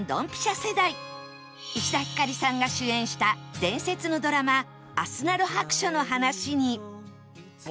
世代石田ひかりさんが主演した伝説のドラマ『あすなろ白書』の話に